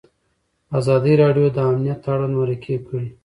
ازادي راډیو د امنیت اړوند مرکې کړي.